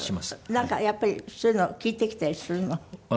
なんかやっぱりそういうの聞いてきたりするの？